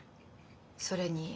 それに。